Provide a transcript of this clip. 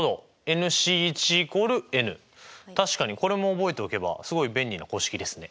確かにこれも覚えておけばすごい便利な公式ですね。